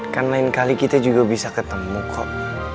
kan lain kali kita juga bisa ketemu kok